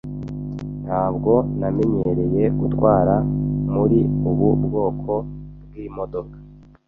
Ntabwo namenyereye gutwara muri ubu bwoko bwimodoka.